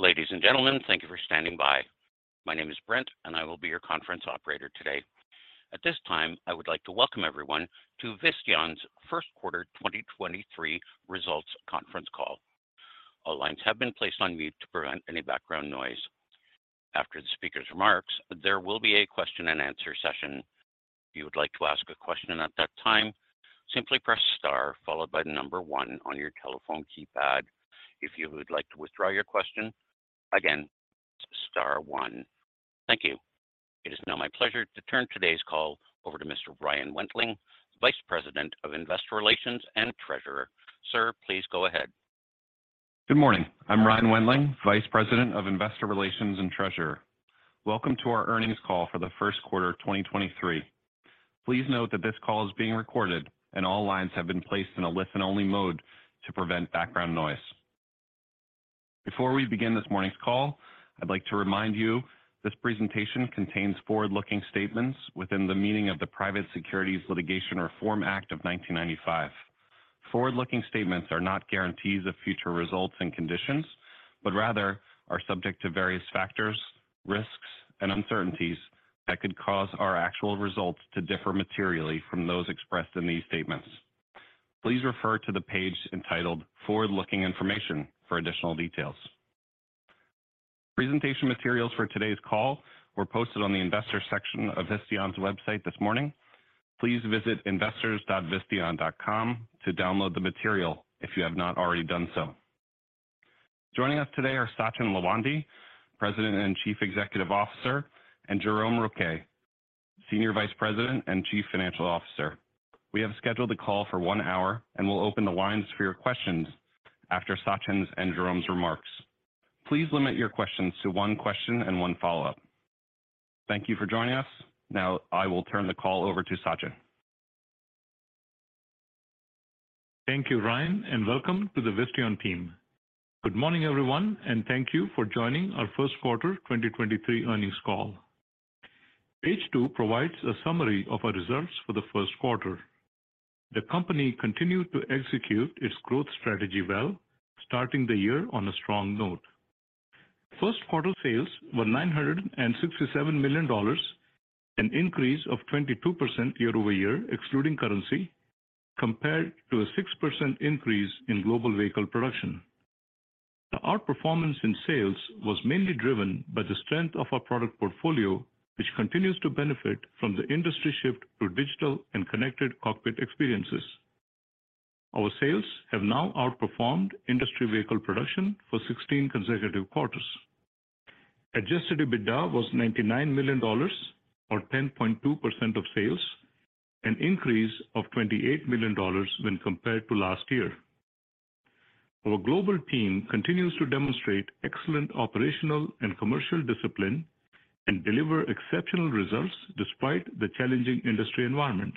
Ladies and gentlemen, thank you for standing by. My name is Brent, and I will be your conference operator today. At this time, I would like to welcome everyone to Visteon's Q1 2023 results conference call. All lines have been placed on mute to prevent any background noise. After the speaker's remarks, there will be a question-and-answer session. If you would like to ask a question at that time, simply press Star followed by 1 on your telephone keypad. If you would like to withdraw your question, again, Star 1. Thank you. It is now my pleasure to turn today's call over to Mr. Ryan Wentling, Vice President of Investor Relations and Treasurer. Sir, please go ahead. Good morning. I'm Ryan Wentling, Vice President of Investor Relations and Treasurer. Welcome to our earnings call for the Q1 of 2023. Please note that this call is being recorded and all lines have been placed in a listen only mode to prevent background noise. Before we begin this morning's call, I'd like to remind you this presentation contains forward-looking statements within the meaning of the Private Securities Litigation Reform Act of 1995. Forward-looking statements are not guarantees of future results and conditions, but rather are subject to various factors, risks, and uncertainties that could cause our actual results to differ materially from those expressed in these statements. Please refer to the page entitled Forward-Looking Information for additional details. Presentation materials for today's call were posted on the investor section of Visteon's website this morning. Please visit investors.visteon.com to download the material if you have not already done so. Joining us today are Sachin Lawande, president and chief executive officer, and Jerome Rouquet, senior vice president and chief financial officer. We have scheduled the call for one hour and will open the lines for your questions after Sachin's and Jerome's remarks. Please limit your questions to one question and one follow-up. Thank you for joining us. Now I will turn the call over to Sachin. Thank you, Ryan, and welcome to the Visteon team. Good morning, everyone, and thank you for joining our Q1 2023 earnings call. Page 2 provides a summary of our results for the Q1. The company continued to execute its growth strategy well, starting the year on a strong note. Q1 sales were $967 million, an increase of 22% year-over-year excluding currency, compared to a 6% increase in global vehicle production. The outperformance in sales was mainly driven by the strength of our product portfolio, which continues to benefit from the industry shift to digital and connected cockpit experiences. Our sales have now outperformed industry vehicle production for 16 consecutive quarters. Adjusted EBITDA was $99 million or 10.2% of sales, an increase of $28 million when compared to last year. Our global team continues to demonstrate excellent operational and commercial discipline and deliver exceptional results despite the challenging industry environment.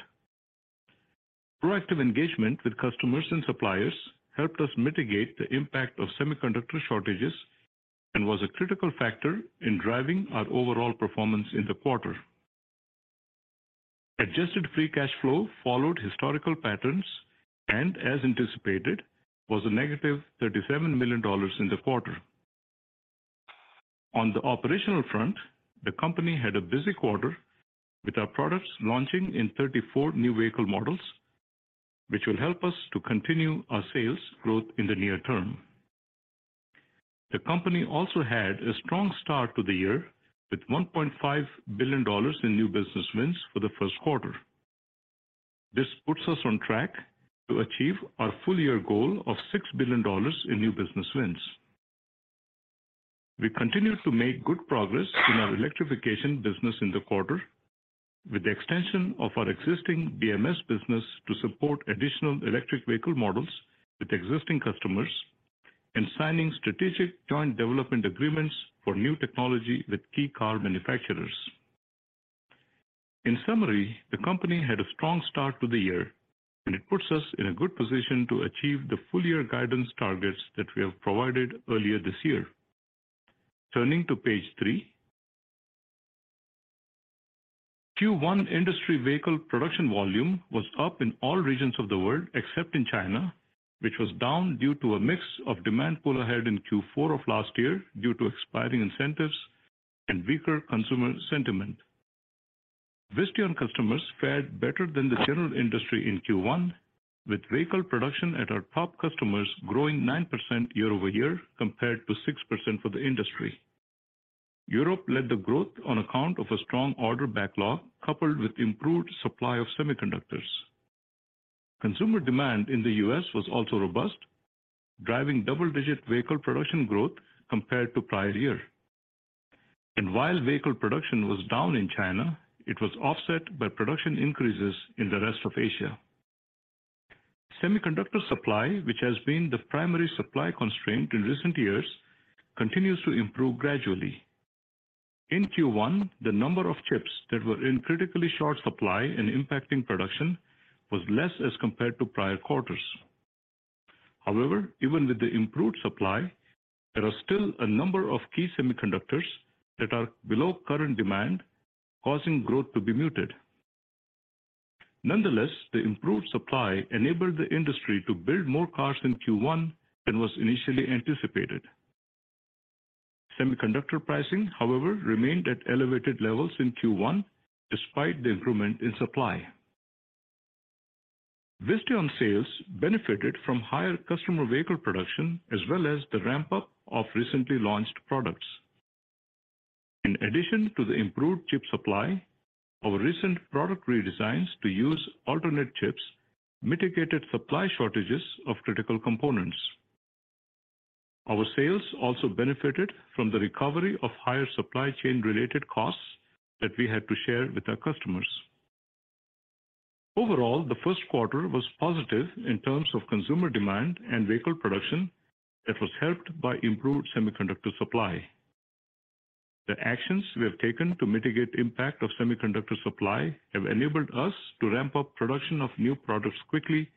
Proactive engagement with customers and suppliers helped us mitigate the impact of semiconductor shortages and was a critical factor in driving our overall performance in the quarter. Adjusted free cash flow followed historical patterns and as anticipated, was a negative $37 million in the quarter. On the operational front, the company had a busy quarter with our products launching in 34 new vehicle models, which will help us to continue our sales growth in the near term. The company also had a strong start to the year with $1.5 billion in new business wins for the Q1. This puts us on track to achieve our full year goal of $6 billion in new business wins. We continue to make good progress in our electrification business in the quarter with the extension of our existing BMS business to support additional electric vehicle models with existing customers and signing strategic joint development agreements for new technology with key car manufacturers. In summary, the company had a strong start to the year, and it puts us in a good position to achieve the full-year guidance targets that we have provided earlier this year. Turning to page 3. Q1 industry vehicle production volume was up in all regions of the world except in China, which was down due to a mix of demand pull ahead in Q4 of last year due to expiring incentives and weaker consumer sentiment. Visteon customers fared better than the general industry in Q1, with vehicle production at our top customers growing 9% year-over-year compared to 6% for the industry. Europe led the growth on account of a strong order backlog coupled with improved supply of semiconductors. Consumer demand in the U.S. was also robust, driving double-digit vehicle production growth compared to prior year. While vehicle production was down in China, it was offset by production increases in the rest of Asia. Semiconductor supply, which has been the primary supply constraint in recent years, continues to improve gradually. In Q1, the number of chips that were in critically short supply and impacting production was less as compared to prior quarters. However, even with the improved supply, there are still a number of key semiconductors that are below current demand, causing growth to be muted. Nonetheless, the improved supply enabled the industry to build more cars in Q1 than was initially anticipated. Semiconductor pricing, however, remained at elevated levels in Q1 despite the improvement in supply. Visteon sales benefited from higher customer vehicle production as well as the ramp-up of recently launched products. In addition to the improved chip supply, our recent product redesigns to use alternate chips mitigated supply shortages of critical components. Our sales also benefited from the recovery of higher supply chain related costs that we had to share with our customers. Overall, the Q1 was positive in terms of consumer demand and vehicle production that was helped by improved semiconductor supply. The actions we have taken to mitigate impact of semiconductor supply have enabled us to ramp up production of new products quickly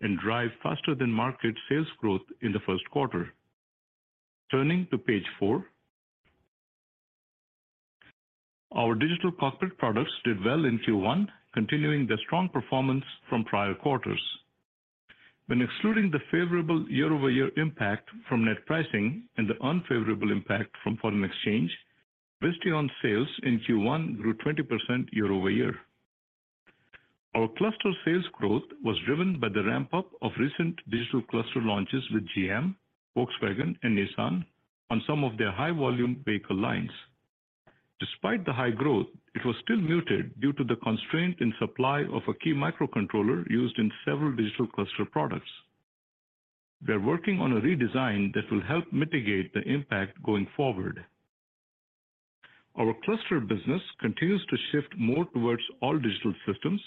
and drive faster than market sales growth in the Q1. Turning to page 4. Our digital cockpit products did well in Q1, continuing the strong performance from prior quarters. When excluding the favorable year-over-year impact from net pricing and the unfavorable impact from foreign exchange, Visteon sales in Q1 grew 20% year-over-year. Our cluster sales growth was driven by the ramp-up of recent digital cluster launches with GM, Volkswagen, and Nissan on some of their high-volume vehicle lines. Despite the high growth, it was still muted due to the constraint in supply of a key microcontroller used in several digital cluster products. We are working on a redesign that will help mitigate the impact going forward. Our cluster business continues to shift more towards all digital systems.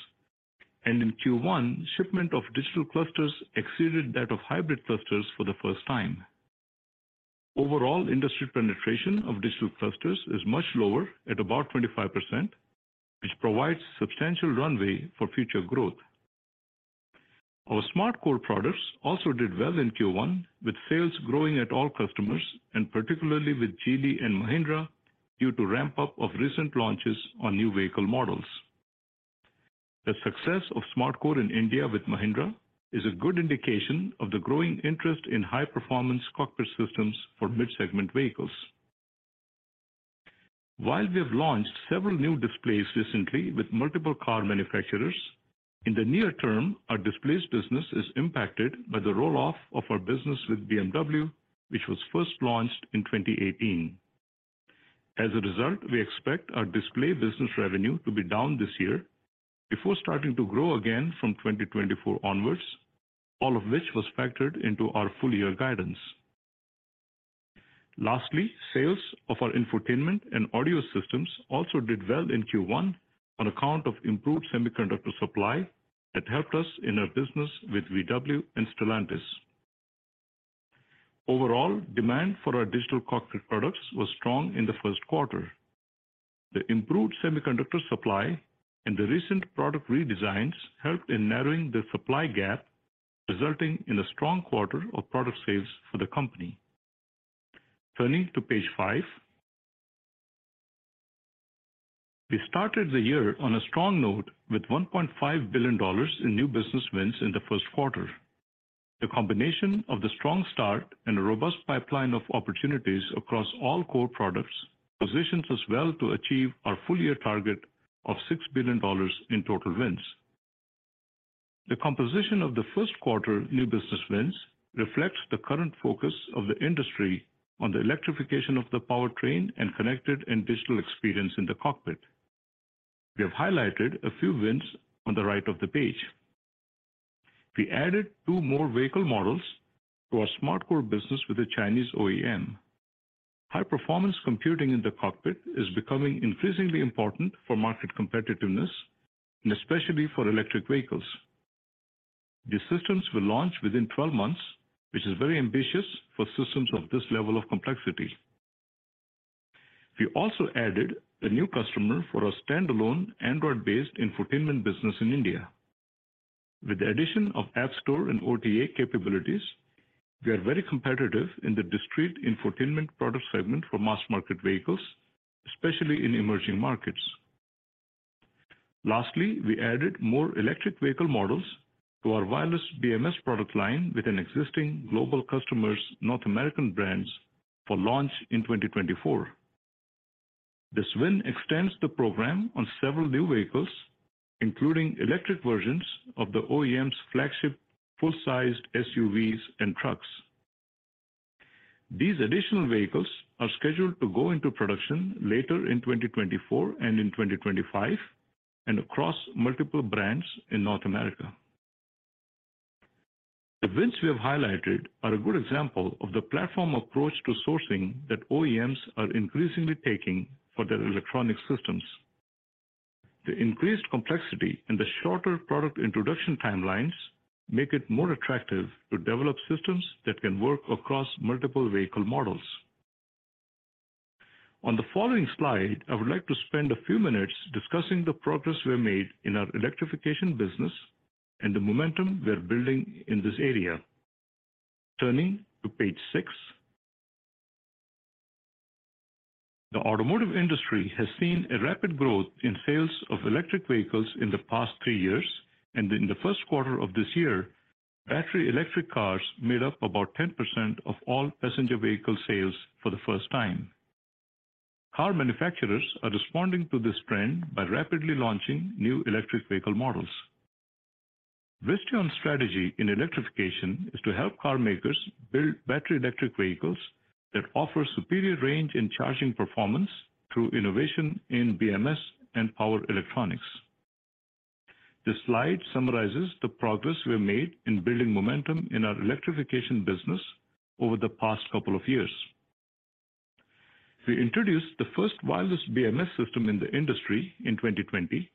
In Q1, shipment of digital clusters exceeded that of hybrid clusters for the first time. Overall, industry penetration of digital clusters is much lower at about 25%, which provides substantial runway for future growth. Our SmartCore products also did well in Q1, with sales growing at all customers and particularly with Geely and Mahindra due to ramp up of recent launches on new vehicle models. The success of SmartCore in India with Mahindra is a good indication of the growing interest in high-performance cockpit systems for mid-segment vehicles. While we have launched several new displays recently with multiple car manufacturers, in the near term, our displays business is impacted by the roll-off of our business with BMW, which was first launched in 2018. As a result, we expect our display business revenue to be down this year before starting to grow again from 2024 onwards, all of which was factored into our full year guidance. Lastly, sales of our infotainment and audio systems also did well in Q1 on account of improved semiconductor supply that helped us in our business with VW and Stellantis. Overall, demand for our digital cockpit products was strong in the Q1. The improved semiconductor supply and the recent product redesigns helped in narrowing the supply gap, resulting in a strong quarter of product sales for the company. Turning to page five. We started the year on a strong note with $1.5 billion in new business wins in the Q1. The combination of the strong start and a robust pipeline of opportunities across all core products positions us well to achieve our full year target of $6 billion in total wins. The composition of the Q1 new business wins reflects the current focus of the industry on the electrification of the powertrain and connected and digital experience in the cockpit. We have highlighted a few wins on the right of the page. We added two more vehicle models to our SmartCore business with a Chinese OEM. High-performance computing in the cockpit is becoming increasingly important for market competitiveness and especially for electric vehicles. These systems will launch within 12 months, which is very ambitious for systems of this level of complexity. We also added a new customer for our standalone Android-based infotainment business in India. With the addition of App Store and OTA capabilities, we are very competitive in the discrete infotainment product segment for mass market vehicles, especially in emerging markets. Lastly, we added more electric vehicle models to our wireless BMS product line with an existing global customer's North American brands for launch in 2024. This win extends the program on several new vehicles, including electric versions of the OEM's flagship full-sized SUVs and trucks. These additional vehicles are scheduled to go into production later in 2024 and in 2025, across multiple brands in North America. The wins we have highlighted are a good example of the platform approach to sourcing that OEMs are increasingly taking for their electronic systems. The increased complexity and the shorter product introduction timelines make it more attractive to develop systems that can work across multiple vehicle models. On the following slide, I would like to spend a few minutes discussing the progress we have made in our electrification business and the momentum we are building in this area. Turning to page 6. The automotive industry has seen a rapid growth in sales of electric vehicles in the past 3 years. In the Q1 of this year, battery electric cars made up about 10% of all passenger vehicle sales for the first time. Car manufacturers are responding to this trend by rapidly launching new electric vehicle models. Visteon's strategy in electrification is to help car makers build battery electric vehicles that offer superior range and charging performance through innovation in BMS and power electronics. This slide summarizes the progress we have made in building momentum in our electrification business over the past couple of years. We introduced the first wireless BMS system in the industry in 2020,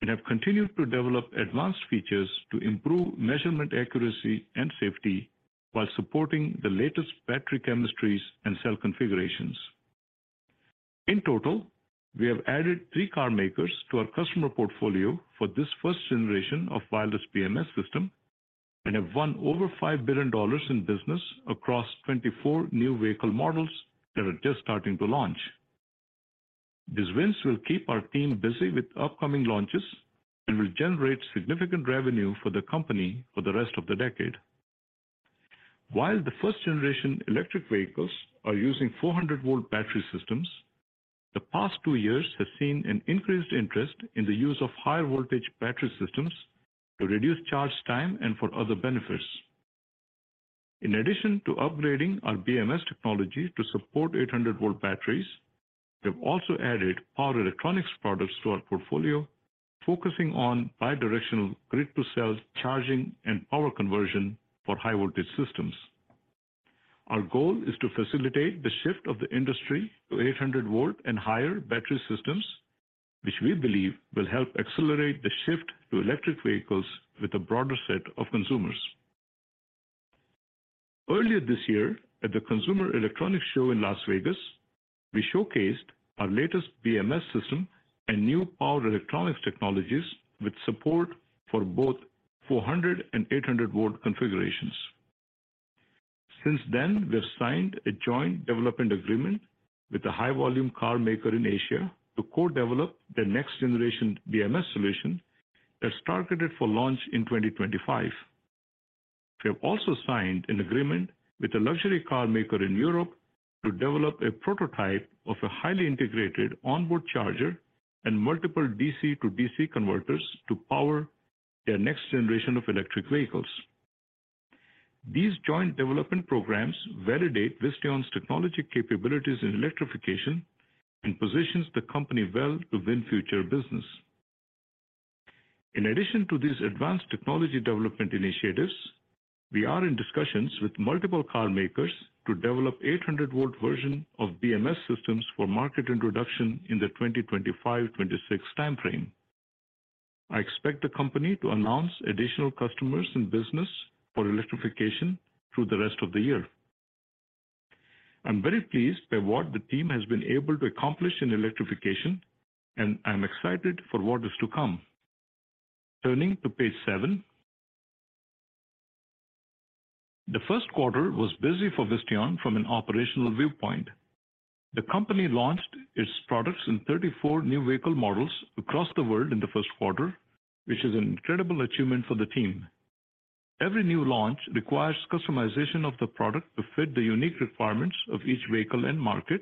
and have continued to develop advanced features to improve measurement accuracy and safety while supporting the latest battery chemistries and cell configurations. In total, we have added three car makers to our customer portfolio for this first generation of wireless BMS system, and have won over $5 billion in business across 24 new vehicle models that are just starting to launch. These wins will keep our team busy with upcoming launches and will generate significant revenue for the company for the rest of the decade. While the first generation electric vehicles are using 400-volt battery systems, the past two years have seen an increased interest in the use of higher voltage battery systems to reduce charge time and for other benefits. In addition to upgrading our BMS technology to support 800-volt batteries, we have also added power electronics products to our portfolio, focusing on bidirectional grid-to-cell charging and power conversion for high voltage systems. Our goal is to facilitate the shift of the industry to 800 volt and higher battery systems, which we believe will help accelerate the shift to electric vehicles with a broader set of consumers. Earlier this year, at the Consumer Electronics Show in Las Vegas, we showcased our latest BMS system and new power electronics technologies with support for both 400 and 800 volt configurations. Since then, we have signed a joint development agreement with a high volume car maker in Asia to co-develop their next generation BMS solution that's targeted for launch in 2025. We have also signed an agreement with a luxury car maker in Europe to develop a prototype of a highly integrated onboard charger and multiple DC-DC converters to power their next generation of electric vehicles. These joint development programs validate Visteon's technology capabilities in electrification and positions the company well to win future business. In addition to these advanced technology development initiatives, we are in discussions with multiple car makers to develop 800-volt version of BMS systems for market introduction in the 2025-2026 timeframe. I expect the company to announce additional customers and business for electrification through the rest of the year. I'm very pleased by what the team has been able to accomplish in electrification. I'm excited for what is to come. Turning to page 7. The Q1 was busy for Visteon from an operational viewpoint. The company launched its products in 34 new vehicle models across the world in the Q1, which is an incredible achievement for the team. Every new launch requires customization of the product to fit the unique requirements of each vehicle and market,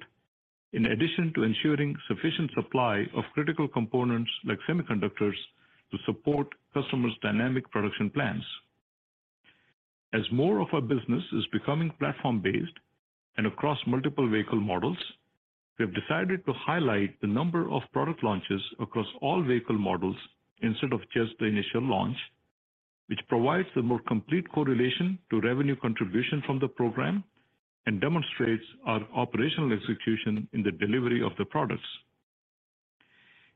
in addition to ensuring sufficient supply of critical components like semiconductors to support customers' dynamic production plans. As more of our business is becoming platform-based and across multiple vehicle models, we have decided to highlight the number of product launches across all vehicle models instead of just the initial launch, which provides a more complete correlation to revenue contribution from the program and demonstrates our operational execution in the delivery of the products.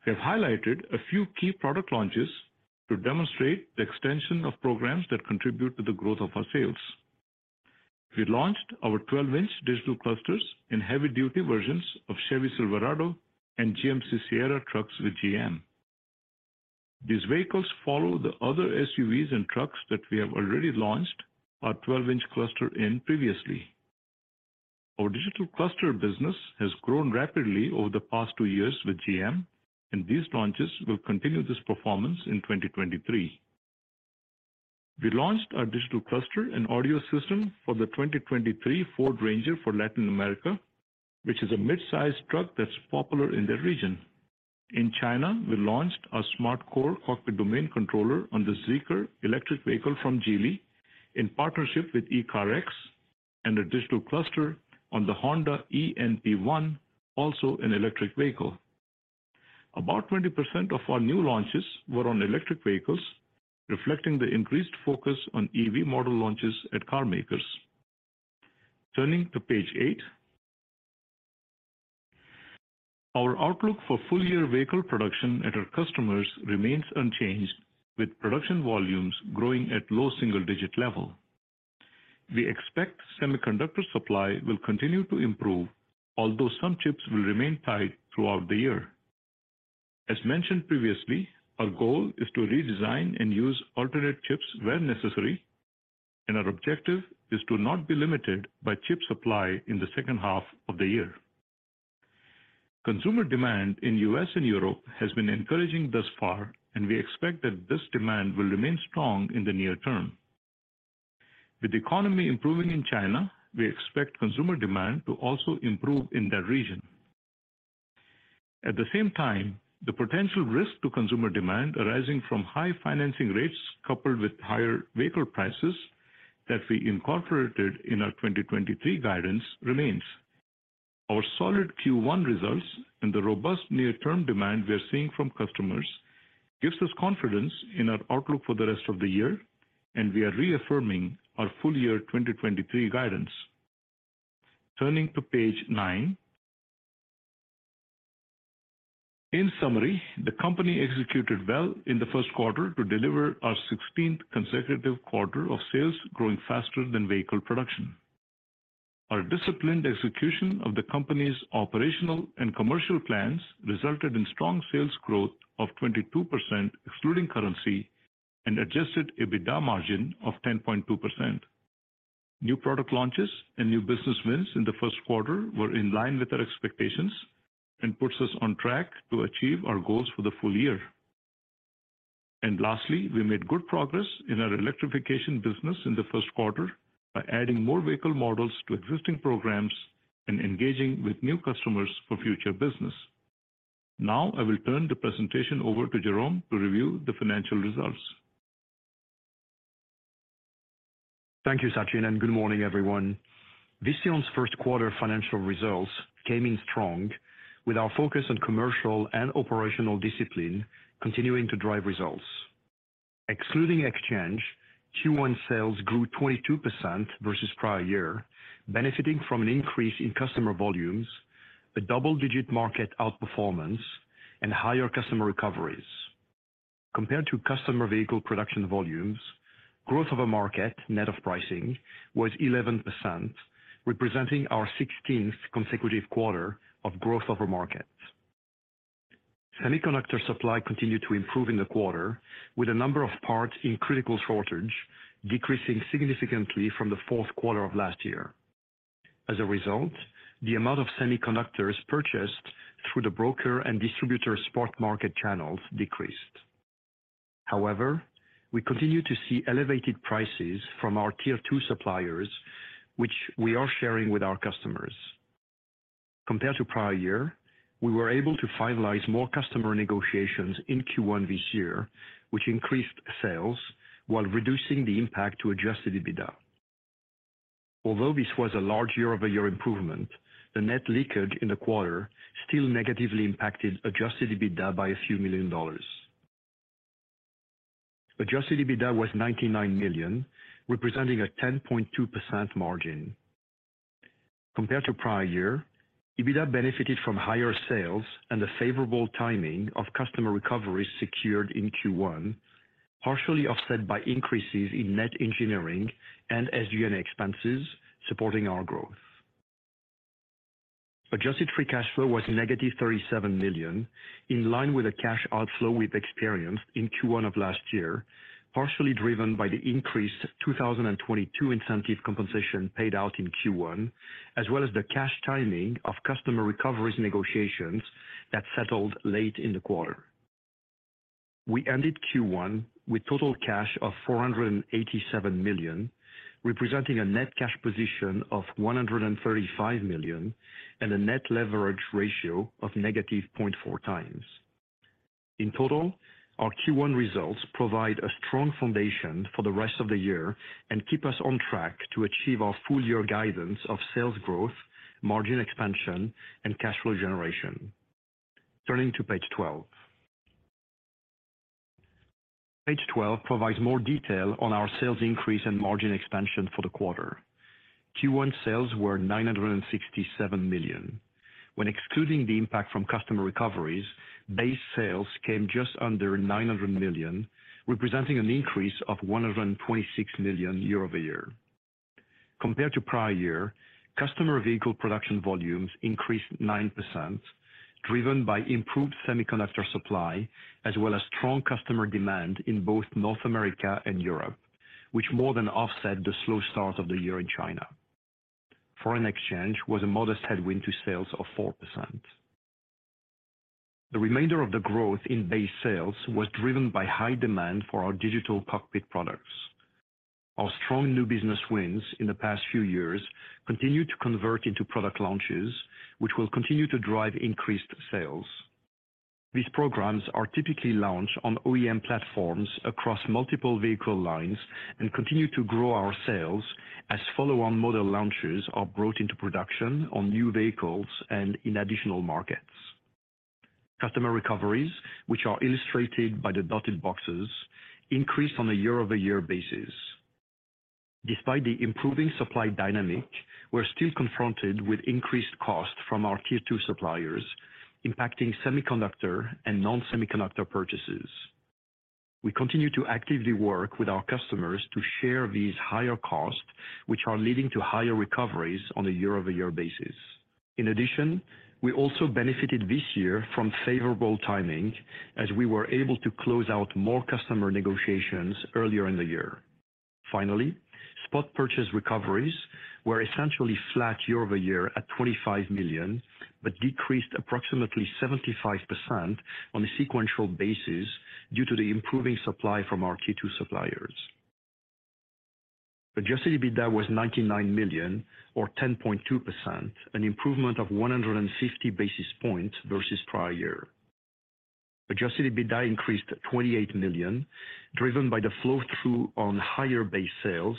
We have highlighted a few key product launches to demonstrate the extension of programs that contribute to the growth of our sales. We launched our 12-inch digital clusters in heavy-duty versions of Chevy Silverado and GMC Sierra trucks with GM. These vehicles follow the other SUVs and trucks that we have already launched our 12-inch cluster in previously. Our digital cluster business has grown rapidly over the past two years with GM, and these launches will continue this performance in 2023. We launched our digital cluster and audio system for the 2023 Ford Ranger for Latin America, which is a mid-size truck that's popular in the region. In China, we launched our SmartCore cockpit domain controller on the Zeekr electric vehicle from Geely in partnership with ECARX, and a digital cluster on the Honda e:NP1, also an electric vehicle. About 20% of our new launches were on electric vehicles, reflecting the increased focus on EV model launches at car makers. Turning to page eight. Our outlook for full year vehicle production at our customers remains unchanged, with production volumes growing at low single-digit level. We expect semiconductor supply will continue to improve, although some chips will remain tight throughout the year. As mentioned previously, our goal is to redesign and use alternate chips where necessary, our objective is to not be limited by chip supply in the H2 of the year. Consumer demand in U.S. and Europe has been encouraging thus far, we expect that this demand will remain strong in the near term. With the economy improving in China, we expect consumer demand to also improve in that region. At the same time, the potential risk to consumer demand arising from high financing rates, coupled with higher vehicle prices that we incorporated in our 2023 guidance remains. Our solid Q1 results and the robust near-term demand we are seeing from customers gives us confidence in our outlook for the rest of the year, and we are reaffirming our full year 2023 guidance. Turning to page 9. In summary, the company executed well in the Q1 to deliver our 16th consecutive quarter of sales growing faster than vehicle production. Our disciplined execution of the company's operational and commercial plans resulted in strong sales growth of 22% excluding currency and adjusted EBITDA margin of 10.2%. New product launches and new business wins in the Q1 were in line with our expectations and puts us on track to achieve our goals for the full year. Lastly, we made good progress in our electrification business in the Q1 by adding more vehicle models to existing programs and engaging with new customers for future business. Now I will turn the presentation over to Jerome to review the financial results. Thank you, Sachin. Good morning, everyone. Visteon's Q1 financial results came in strong with our focus on commercial and operational discipline continuing to drive results. Excluding exchange, Q1 sales grew 22% versus prior year, benefiting from an increase in customer volumes, a double-digit market outperformance, and higher customer recoveries. Compared to customer vehicle production volumes, growth of a market net of pricing was 11%, representing our sixteenth consecutive quarter of growth over market. Semiconductor supply continued to improve in the quarter, with a number of parts in critical shortage decreasing significantly from the Q4 of last year. As a result, the amount of semiconductors purchased through the broker and distributor spot market channels decreased. We continue to see elevated prices from our Tier 2 suppliers, which we are sharing with our customers. Compared to prior year, we were able to finalize more customer negotiations in Q1 this year, which increased sales while reducing the impact to adjusted EBITDA. This was a large year-over-year improvement, the net leakage in the quarter still negatively impacted adjusted EBITDA by a few million dollars. Adjusted EBITDA was $99 million, representing a 10.2% margin. Compared to prior year, EBITDA benefited from higher sales and the favorable timing of customer recoveries secured in Q1, partially offset by increases in net engineering and SG&A expenses supporting our growth. Adjusted free cash flow was negative $37 million, in line with a cash outflow we've experienced in Q1 of last year, partially driven by the increased 2022 incentive compensation paid out in Q1, as well as the cash timing of customer recoveries negotiations that settled late in the quarter. We ended Q1 with total cash of $487 million, representing a net cash position of $135 million and a net leverage ratio of negative 0.4 times. In total, our Q1 results provide a strong foundation for the rest of the year and keep us on track to achieve our full year guidance of sales growth, margin expansion, and cash flow generation. Turning to page 12. Page 12 provides more detail on our sales increase and margin expansion for the quarter. Q1 sales were $967 million. When excluding the impact from customer recoveries, base sales came just under $900 million, representing an increase of $126 million year-over-year. Compared to prior year, customer vehicle production volumes increased 9%, driven by improved semiconductor supply as well as strong customer demand in both North America and Europe, which more than offset the slow start of the year in China. Foreign exchange was a modest headwind to sales of 4%. The remainder of the growth in base sales was driven by high demand for our digital cockpit products. Our strong new business wins in the past few years continue to convert into product launches, which will continue to drive increased sales. These programs are typically launched on OEM platforms across multiple vehicle lines and continue to grow our sales as follow-on model launches are brought into production on new vehicles and in additional markets. Customer recoveries, which are illustrated by the dotted boxes, increased on a year-over-year basis. Despite the improving supply dynamic, we're still confronted with increased cost from our Tier 2 suppliers, impacting semiconductor and non-semiconductor purchases. We continue to actively work with our customers to share these higher costs, which are leading to higher recoveries on a year-over-year basis. We also benefited this year from favorable timing as we were able to close out more customer negotiations earlier in the year. Spot purchase recoveries were essentially flat year-over-year at $25 million, but decreased approximately 75% on a sequential basis due to the improving supply from our Tier 2 suppliers. Adjusted EBITDA was $99 million or 10.2%, an improvement of 150 basis points versus prior year. Adjusted EBITDA increased to $28 million, driven by the flow-through on higher base sales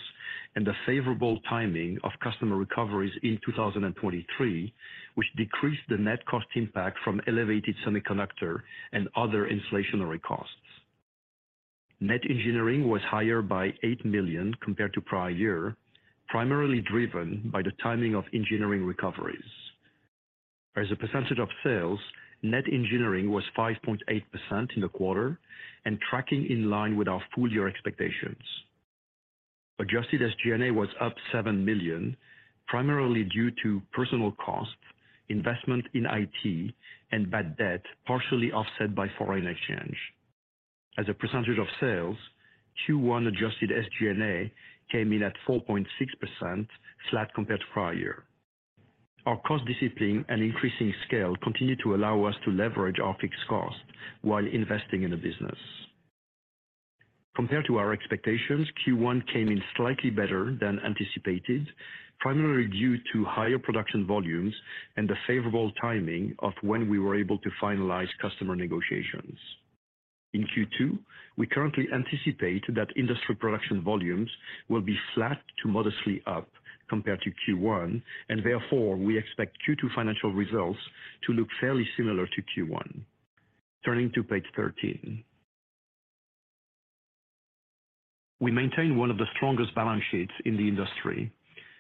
and the favorable timing of customer recoveries in 2023, which decreased the net cost impact from elevated semiconductor and other inflationary costs. Net engineering was higher by $8 million compared to prior year, primarily driven by the timing of engineering recoveries. As a percentage of sales, net engineering was 5.8% in the quarter and tracking in line with our full year expectations. Adjusted SG&A was up $7 million, primarily due to personal costs, investment in IT, and bad debt, partially offset by foreign exchange. As a percentage of sales, Q1 adjusted SG&A came in at 4.6%, flat compared to prior year. Our cost discipline and increasing scale continued to allow us to leverage our fixed costs while investing in the business. Compared to our expectations, Q1 came in slightly better than anticipated, primarily due to higher production volumes and the favorable timing of when we were able to finalize customer negotiations. In Q2, we currently anticipate that industry production volumes will be flat to modestly up compared to Q1, and therefore, we expect Q2 financial results to look fairly similar to Q1. Turning to page 13. We maintain one of the strongest balance sheets in the industry,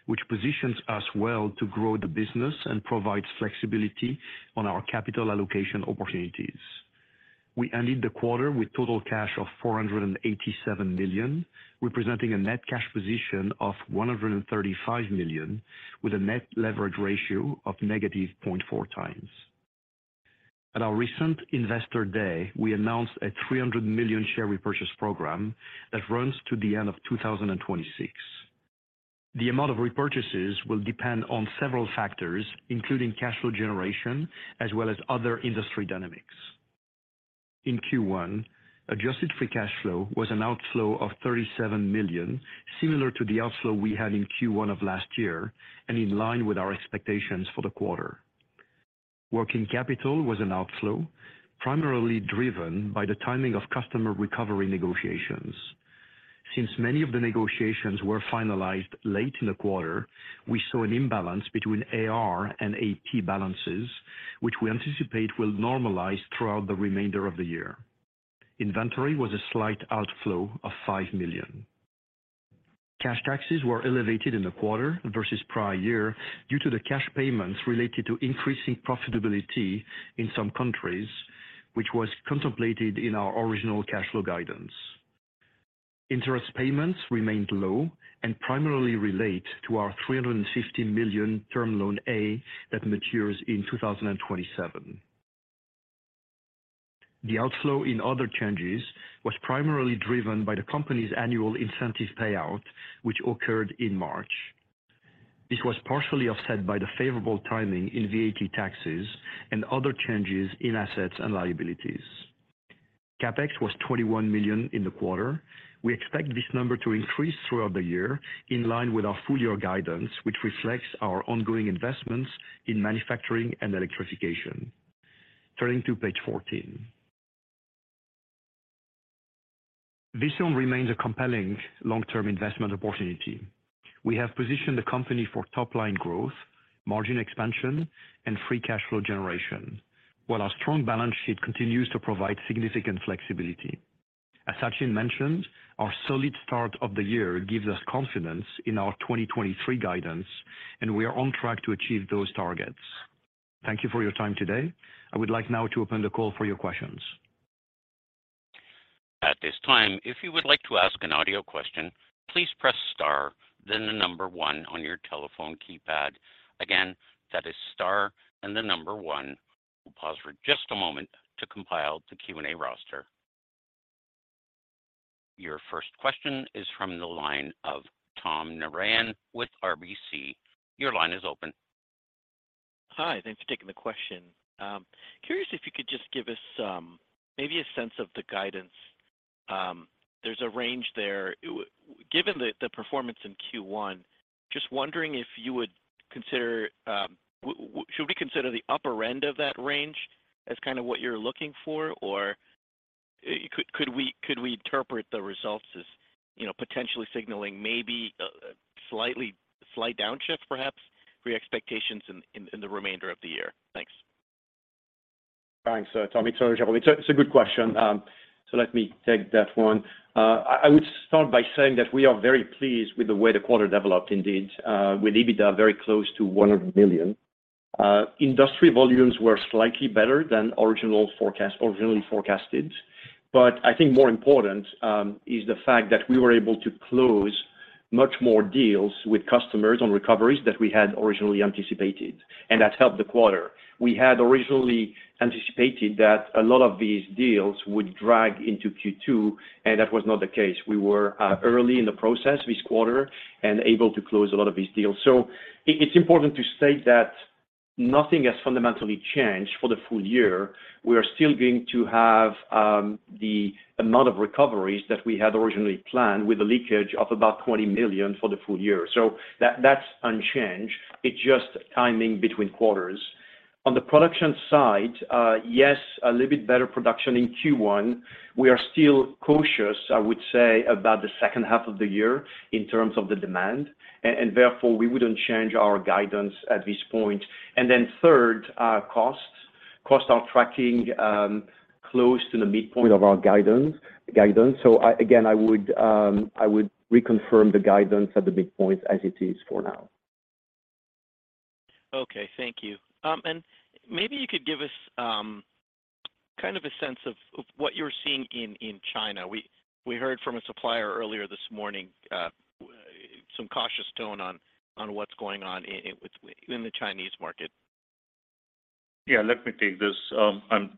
which positions us well to grow the business and provides flexibility on our capital allocation opportunities. We ended the quarter with total cash of $487 million, representing a net cash position of $135 million, with a net leverage ratio of -0.4 times. At our recent Investor Day, we announced a $300 million share repurchase program that runs to the end of 2026. The amount of repurchases will depend on several factors, including cash flow generation as well as other industry dynamics. In Q1, adjusted free cash flow was an outflow of $37 million, similar to the outflow we had in Q1 of last year and in line with our expectations for the quarter. Working capital was an outflow, primarily driven by the timing of customer recovery negotiations. Since many of the negotiations were finalized late in the quarter, we saw an imbalance between AR and AP balances, which we anticipate will normalize throughout the remainder of the year. Inventory was a slight outflow of $5 million. Cash taxes were elevated in the quarter versus prior year due to the cash payments related to increasing profitability in some countries, which was contemplated in our original cash flow guidance. Interest payments remained low and primarily relate to our $350 million Term Loan A that matures in 2027. The outflow in other changes was primarily driven by the company's annual incentive payout, which occurred in March. This was partially offset by the favorable timing in VAT taxes and other changes in assets and liabilities. CapEx was $21 million in the quarter. We expect this number to increase throughout the year in line with our full year guidance, which reflects our ongoing investments in manufacturing and electrification. Turning to page 14. Visteon remains a compelling long-term investment opportunity. We have positioned the company for top line growth, margin expansion, and free cash flow generation, while our strong balance sheet continues to provide significant flexibility. As Sachin mentioned, our solid start of the year gives us confidence in our 2023 guidance. We are on track to achieve those targets. Thank you for your time today. I would like now to open the call for your questions. At this time, if you would like to ask an audio question, please press star, then 1 on your telephone keypad. That is star and 1. We'll pause for just a moment to compile the Q&A roster. Your first question is from the line of Tom Narayan with RBC. Your line is open. Hi. Thanks for taking the question. Curious if you could just give us maybe a sense of the guidance. There's a range there. Given the performance in Q1, just wondering if you would consider. Should we consider the upper end of that range as kind of what you're looking for? Or could we interpret the results as, you know, potentially signaling maybe a slightly slight downshift, perhaps, for your expectations in the remainder of the year? Thanks. Thanks, Tom. It's a good question. Let me take that one. I would start by saying that we are very pleased with the way the quarter developed indeed, with EBITDA very close to $100 million. Industry volumes were slightly better than originally forecasted. I think more important is the fact that we were able to close much more deals with customers on recoveries that we had originally anticipated, and that helped the quarter. We had originally anticipated that a lot of these deals would drag into Q2, and that was not the case. We were early in the process this quarter and able to close a lot of these deals. It's important to state that nothing has fundamentally changed for the full year. We are still going to have the amount of recoveries that we had originally planned with a leakage of about $20 million for the full year. That's unchanged. It's just timing between quarters. On the production side, yes, a little bit better production in Q1. We are still cautious, I would say, about the H2 of the year in terms of the demand. Therefore, we wouldn't change our guidance at this point. Then third, our costs. Costs are tracking close to the midpoint of our guidance. I, again, I would reconfirm the guidance at the midpoint as it is for now. Okay. Thank you. Maybe you could give us, kind of a sense of what you're seeing in China. We heard from a supplier earlier this morning, some cautious tone on what's going on in the Chinese market. Yeah, let me take this.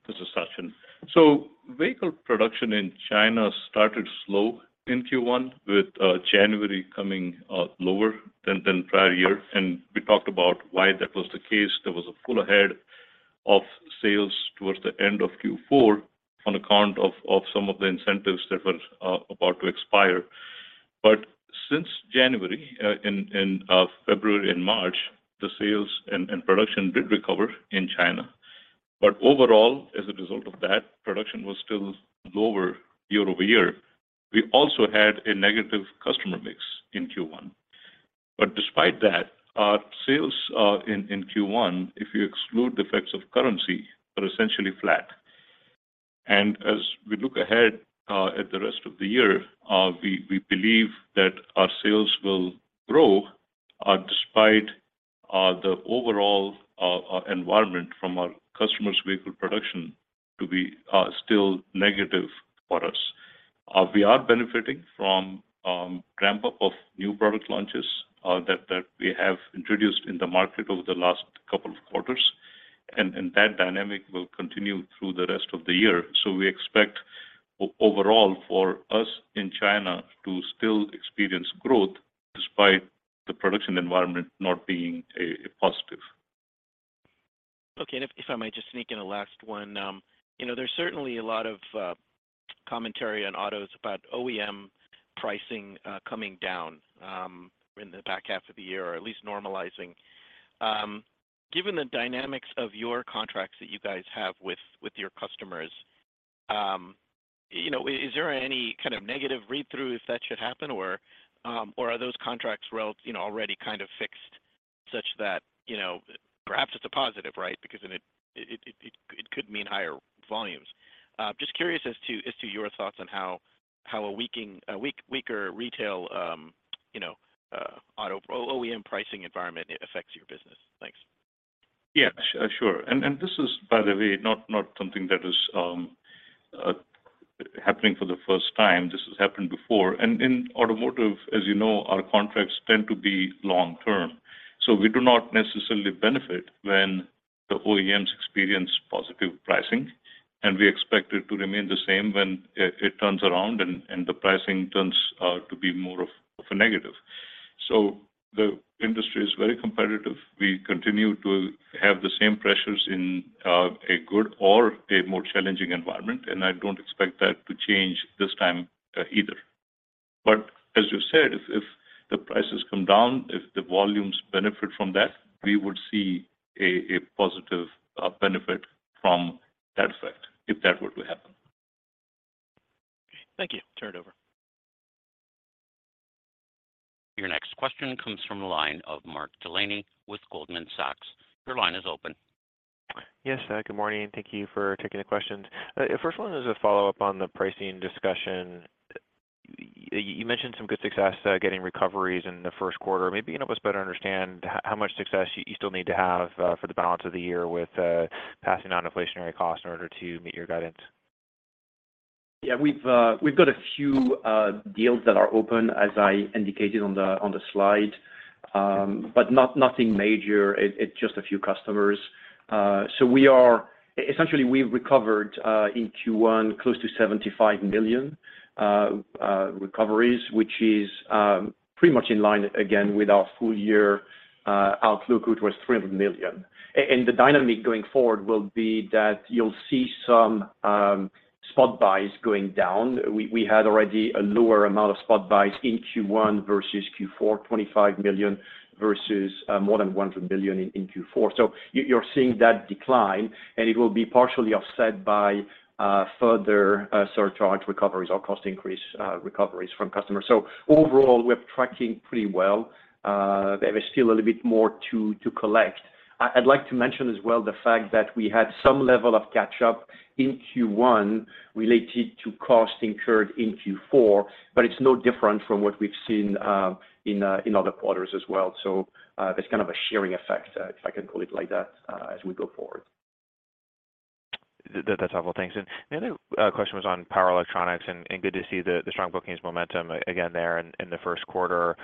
This is Sachin. Vehicle production in China started slow in Q1 with January coming lower than prior year. We talked about why that was the case. There was a pull ahead of sales towards the end of Q4 on account of some of the incentives that were about to expire. Since January, in February and March, the sales and production did recover in China. Overall, as a result of that, production was still lower year-over-year. We also had a negative customer mix in Q1. Despite that, our sales in Q1, if you exclude the effects of currency, are essentially flat. As we look ahead, at the rest of the year, we believe that our sales will grow, despite the overall environment from our customers' vehicle production to be still negative for us. We are benefiting from ramp-up of new product launches that we have introduced in the market over the last couple of quarters. That dynamic will continue through the rest of the year. We expect overall for us in China to still experience growth despite the production environment not being a positive. Okay. If, if I might just sneak in a last one. You know, there's certainly a lot of commentary on autos about OEM pricing coming down in the back half of the year or at least normalizing. Given the dynamics of your contracts that you guys have with your customers, you know, is there any kind of negative read-through if that should happen or are those contracts well, you know, already kind of fixed such that, you know, perhaps it's a positive, right? Because then it, it could mean higher volumes. Just curious as to, as to your thoughts on how a weaker retail, you know, OEM pricing environment affects your business. Thanks. Yeah, sure. This is by the way, not something that is happening for the first time. This has happened before. In automotive, as you know, our contracts tend to be long-term, we do not necessarily benefit when the OEMs experience positive pricing, and we expect it to remain the same when it turns around and the pricing turns to be more of a negative. The industry is very competitive. We continue to have the same pressures in a good or a more challenging environment, and I don't expect that to change this time either. As you said, if the prices come down, if the volumes benefit from that, we would see a positive benefit from that effect if that were to happen. Thank you. Turn it over. Your next question comes from the line of Mark Delaney with Goldman Sachs. Your line is open. Yes. Good morning, thank you for taking the questions. First one is a follow-up on the pricing discussion. You mentioned some good success getting recoveries in the Q1. Maybe you can help us better understand how much success you still need to have for the balance of the year with passing on inflationary costs in order to meet your guidance. Yeah. We've got a few deals that are open, as I indicated on the slide, but nothing major. It's just a few customers. Essentially, we've recovered in Q1 close to $75 million recoveries, which is pretty much in line again with our full year outlook, which was $300 million. The dynamic going forward will be that you'll see some spot buys going down. We had already a lower amount of spot buys in Q1 versus Q4, $25 million versus more than $100 million in Q4. You're seeing that decline, and it will be partially offset by further surcharge recoveries or cost increase recoveries from customers. Overall, we're tracking pretty well. There is still a little bit more to collect. I'd like to mention as well the fact that we had some level of catch up. In Q1 related to cost incurred in Q4, but it's no different from what we've seen, in other quarters as well. That's kind of a sharing effect, if I can call it like that, as we go forward. That's helpful. Thanks. The other question was on power electronics and good to see the strong bookings momentum again there in the Q1.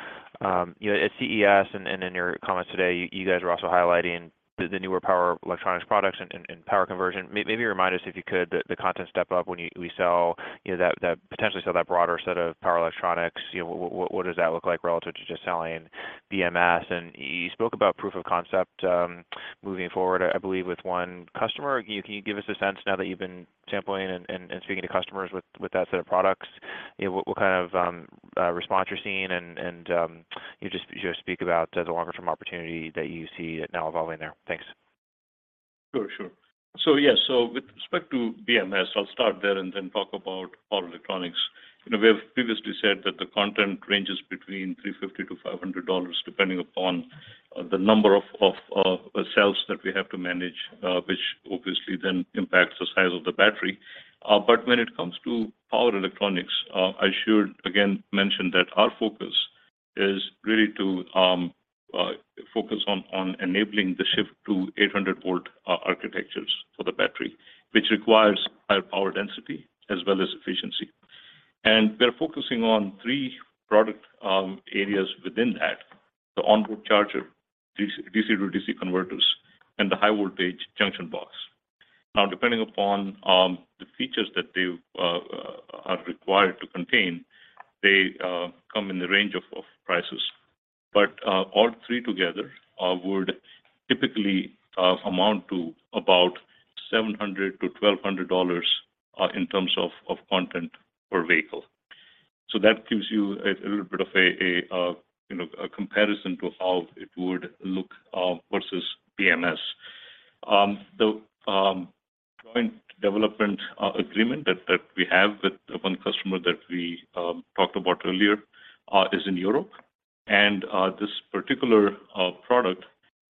You know, at CES and in your comments today, you guys were also highlighting the newer power electronics products and power conversion. Maybe remind us, if you could, the content step up when we sell, you know, potentially sell that broader set of power electronics. You know, what does that look like relative to just selling BMS? You spoke about proof of concept, moving forward, I believe, with one customer. Can you give us a sense now that you've been sampling and speaking to customers with that set of products? You know, what kind of, response you're seeing and you speak about the longer term opportunity that you see now evolving there? Thanks. Sure, sure. With respect to BMS, I'll start there and then talk about power electronics. You know, we have previously said that the content ranges between $350-$500, depending upon the number of cells that we have to manage, which obviously then impacts the size of the battery. When it comes to power electronics, I should again mention that our focus is really to focus on enabling the shift to 800 volt architectures for the battery, which requires higher power density as well as efficiency. We're focusing on 3 product areas within that, the onboard charger, DC to DC converters, and the high voltage junction box. Depending upon the features that they are required to contain, they come in the range of prices. All three together would typically amount to about $700 to 1,200 in terms of content per vehicle. That gives you a little bit of a, you know, a comparison to how it would look versus BMS. The joint development agreement that we have with one customer that we talked about earlier is in Europe. This particular product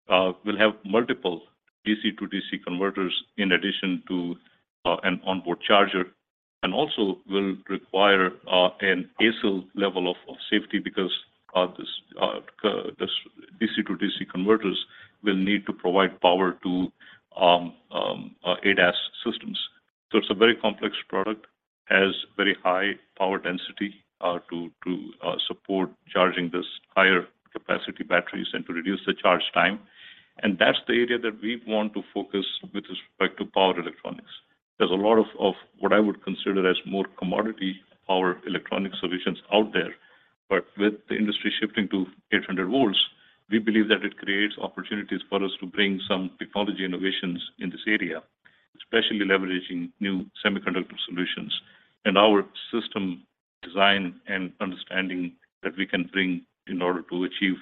will have multiple DC-DC converters in addition to an onboard charger and also will require an ASIL level of safety because this DC-DC converters will need to provide power to ADAS systems. It's a very complex product, has very high power density, to support charging this higher capacity batteries and to reduce the charge time. That's the area that we want to focus with respect to power electronics. There's a lot of what I would consider as more commodity power electronic solutions out there, but with the industry shifting to 800 volts, we believe that it creates opportunities for us to bring some technology innovations in this area, especially leveraging new semiconductor solutions and our system design and understanding that we can bring in order to achieve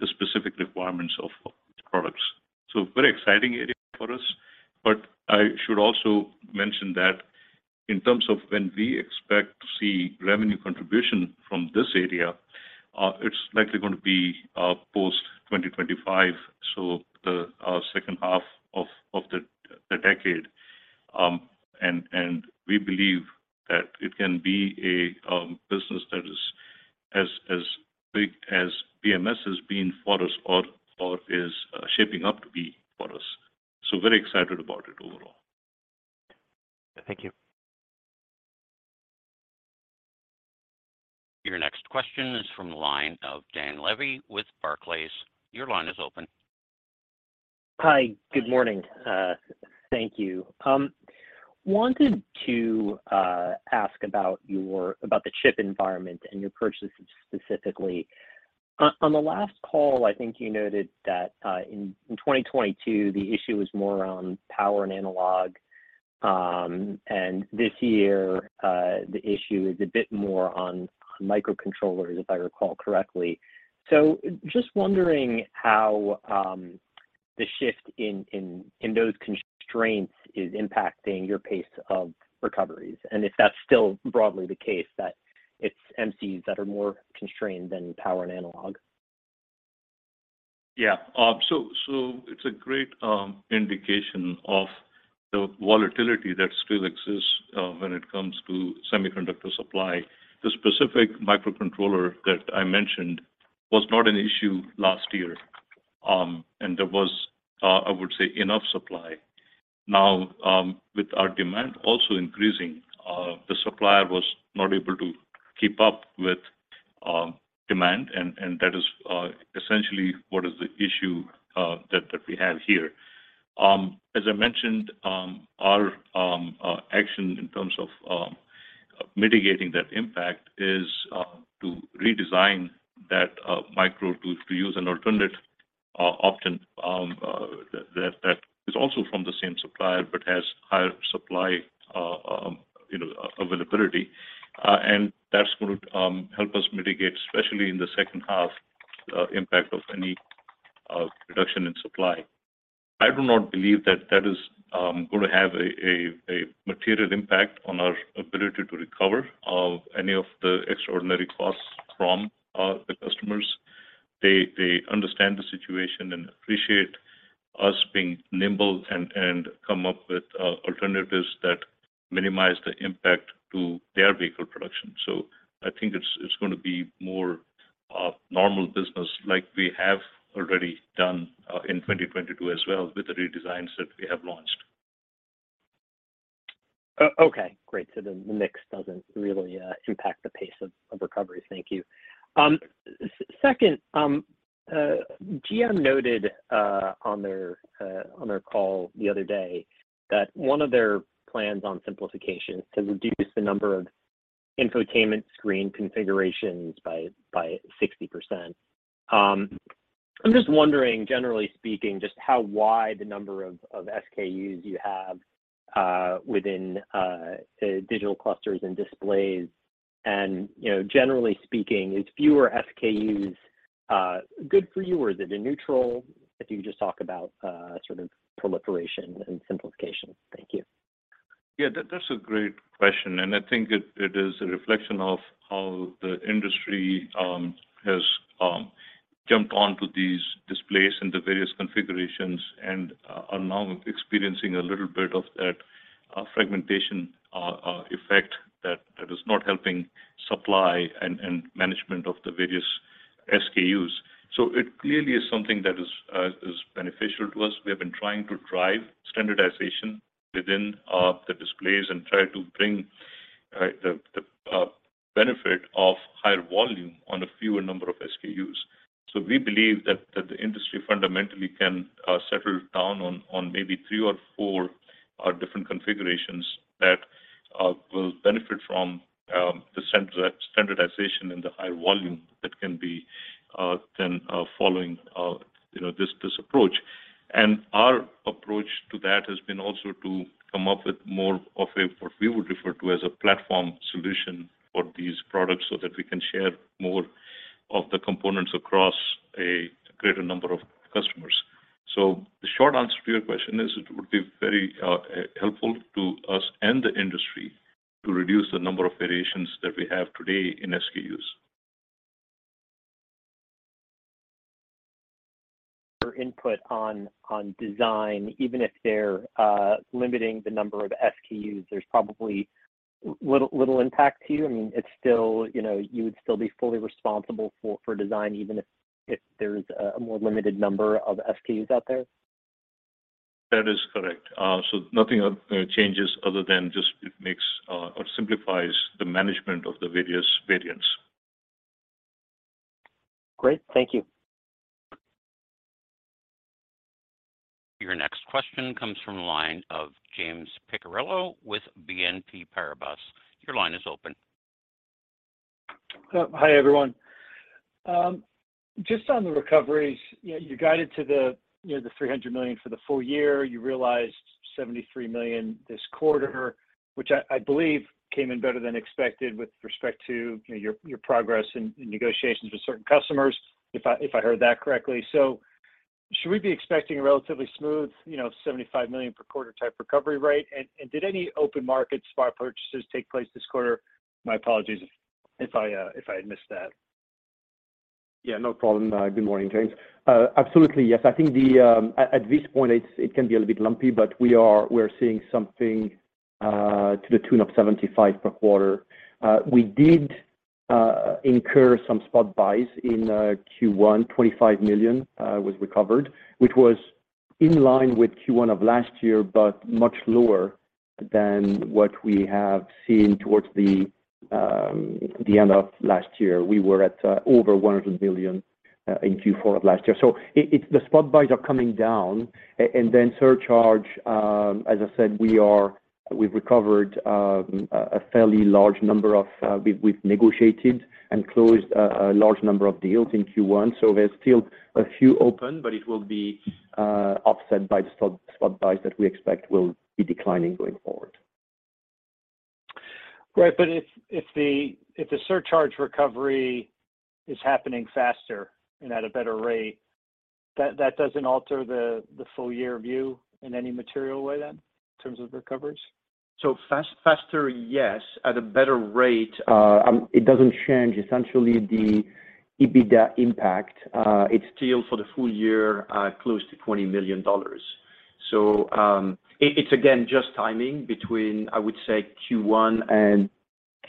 the specific requirements of these products. Very exciting area for us. I should also mention that in terms of when we expect to see revenue contribution from this area, it's likely going to be post 2025, so the H2 of the decade. We believe that it can be a business that is as big as BMS has been for us or is shaping up to be for us. Very excited about it overall. Thank you. Your next question is from the line of Dan Levy with Barclays. Your line is open. Hi. Good morning. Thank you. wanted to ask about the chip environment and your purchases specifically. On the last call, I think you noted that in 2022, the issue was more on power and analog. This year, the issue is a bit more on microcontrollers, if I recall correctly. Just wondering how the shift in those constraints is impacting your pace of recoveries, and if that's still broadly the case, that it's MCs that are more constrained than power and analog. Yeah. So it's a great indication of the volatility that still exists when it comes to semiconductor supply. The specific microcontroller that I mentioned was not an issue last year, and there was, I would say, enough supply. Now, with our demand also increasing, the supplier was not able to keep up with demand, and that is essentially what is the issue that we have here. As I mentioned, our action in terms of mitigating that impact is to redesign that micro to use an alternate option that is also from the same supplier but has higher supply, you know, availability. That's going to help us mitigate, especially in the H2, impact of any reduction in supply. I do not believe that that is going to have a material impact on our ability to recover any of the extraordinary costs from the customers. They understand the situation and appreciate us being nimble and come up with alternatives that minimize the impact to their vehicle production. I think it's gonna be more normal business like we have already done in 2022 as well with the redesigns that we have launched. Okay. Great. The mix doesn't really impact the pace of recovery. Thank you. Second, GM noted on their call the other day that one of their plans on simplification is to reduce the number of infotainment screen configurations by 60%. I'm just wondering, generally speaking, just how wide the number of SKUs you have within digital clusters and displays and, you know, generally speaking, is fewer SKUs good for you or is it a neutral? If you could just talk about sort of proliferation and simplification. Thank you. Yeah. That's a great question. I think it is a reflection of how the industry has jumped onto these displays and the various configurations and are now experiencing a little bit of that fragmentation effect that is not helping supply and management of the various SKUs. It clearly is something that is beneficial to us. We have been trying to drive standardization within the displays and try to bring the benefit of higher volume on a fewer number of SKUs. We believe that the industry fundamentally can settle down on maybe 3 or 4 different configurations that will benefit from standardization and the high volume that can be following, you know, this approach. Our approach to that has been also to come up with more of a, what we would refer to as a platform solution for these products so that we can share more of the components across a greater number of customers. The short answer to your question is it would be very helpful to us and the industry to reduce the number of variations that we have today in SKUs. For input on design, even if they're limiting the number of SKUs, there's probably little impact to you. I mean, it's still, you know, you would still be fully responsible for design even if there's a more limited number of SKUs out there? That is correct. Nothing changes other than just it makes or simplifies the management of the various variants. Great. Thank you. Your next question comes from the line of James Picariello with BNP Paribas. Your line is open. Hi, everyone. Just on the recoveries, you guided to the, you know, the $300 million for the full year. You realized $73 million this quarter, which I believe came in better than expected with respect to, you know, your progress in negotiations with certain customers, if I, if I heard that correctly. Should we be expecting a relatively smooth, you know, $75 million per quarter type recovery rate? Did any open market spot purchases take place this quarter? My apologies if I had missed that. Yeah, no problem. Good morning, James. Absolutely, yes. I think at this point it's, it can be a little bit lumpy, but we are, we're seeing something to the tune of $75 per quarter. We did incur some spot buys in Q1. $25 million was recovered, which was in line with Q1 of last year, but much lower than what we have seen towards the end of last year. We were at over $100 million in Q4 of last year. It's the spot buys are coming down. Then surcharge, as I said, we've recovered a fairly large number of. We've negotiated and closed a large number of deals in Q1. There's still a few open, but it will be offset by the spot buys that we expect will be declining going forward. Right. If the surcharge recovery is happening faster and at a better rate, that doesn't alter the full year view in any material way then in terms of recoveries? Fast-faster, yes. At a better rate, it doesn't change essentially the EBITDA impact. It's still for the full year, close to $20 million. It's again, just timing between, I would say Q1 and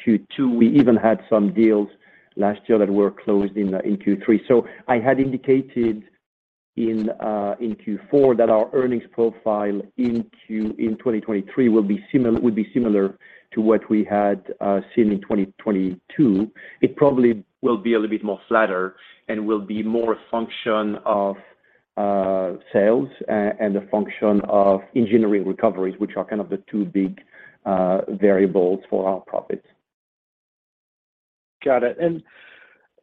Q2. We even had some deals last year that were closed in Q3. I had indicated in Q4 that our earnings profile in 2023 will be similar, will be similar to what we had seen in 2022. It probably will be a little bit more flatter and will be more a function of sales and a function of engineering recoveries, which are kind of the two big variables for our profits. Got it.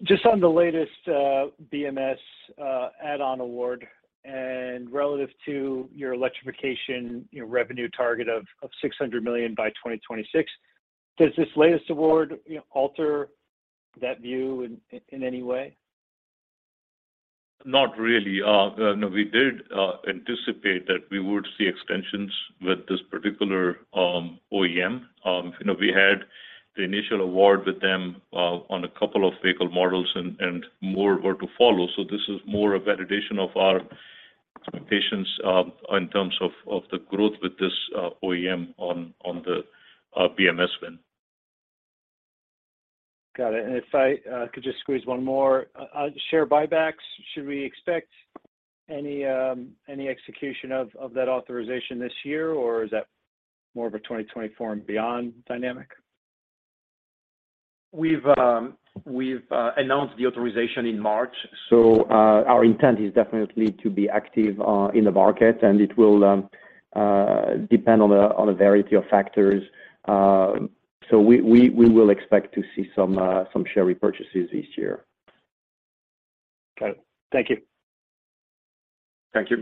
Just on the latest BMS add-on award and relative to your electrification, you know, revenue target of $600 million by 2026, does this latest award, you know, alter that view in any way? No, we did anticipate that we would see extensions with this particular OEM. You know, we had the initial award with them on a couple of vehicle models and more were to follow. So this is more a validation of our expectations in terms of the growth with this OEM on the BMS win. Got it. If I could just squeeze one more. Share buybacks, should we expect any execution of that authorization this year, or is that more of a 2024 and beyond dynamic? We've announced the authorization in March. Our intent is definitely to be active in the market, and it will depend on a variety of factors. We will expect to see some share repurchases this year. Got it. Thank you. Thank you.